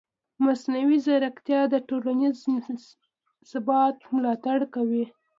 مصنوعي ځیرکتیا د ټولنیز ثبات ملاتړ کوي.